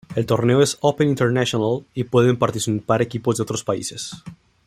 El torneo es open internacional y pueden participar equipos de otros países.